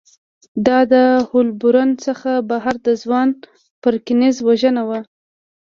دا د هولبورن څخه بهر د ځوان پرکینز وژنه وه